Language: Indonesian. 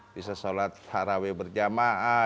bisa sholat harawih berjamaah